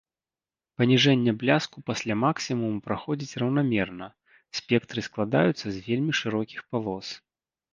Паніжэнне бляску пасля максімуму праходзіць раўнамерна, спектры складаюцца з вельмі шырокіх палос.